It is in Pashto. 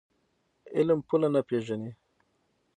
علم پوله نه پېژني.